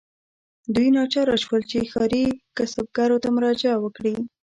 دوی ناچاره شول چې ښاري کسبګرو ته مراجعه وکړي.